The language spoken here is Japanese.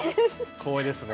光栄ですね。